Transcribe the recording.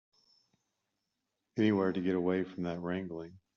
Anywhere to get away from that wrangling.